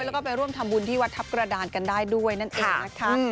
แล้วก็ไปร่วมทำบุญที่วัดทัพกระดานกันได้ด้วยนั่นเองนะคะ